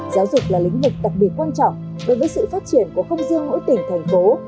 giáo dục là lĩnh vực đặc biệt quan trọng đối với sự phát triển của không riêng mỗi tỉnh thành phố